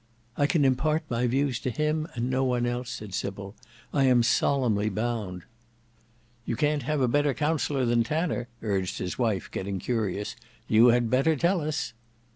"I can impart my news to him and no one else," said Sybil. "I am solemnly bound." "You can't have a better counseller than Tanner," urged his wife, getting curious; "you had better tell us."